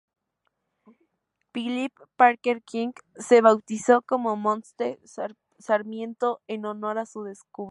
Phillip Parker King la bautizó como Monte Sarmiento en honor a su descubridor.